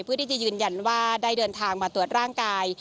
เพื่อที่จะยืนยันว่าได้เดินทางมาตรวจร่างกาย